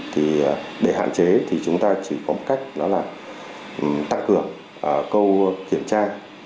thì để hạn chế thì chúng ta chỉ có một cách đó là tăng cường câu kiểm tra